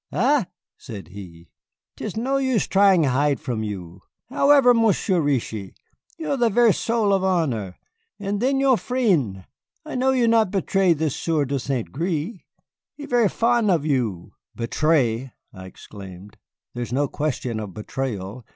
"Ah," said he, "'tis no use tryin' hide from you. However, Monsieur Reetchie, you are the ver' soul of honor. And then your frien'! I know you not betray the Sieur de St. Gré. He is ver' fon' of you." "Betray!" I exclaimed; "there is no question of betrayal.